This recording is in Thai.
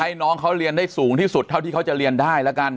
ให้น้องเขาเรียนได้สูงที่สุดเท่าที่เขาจะเรียนได้แล้วกัน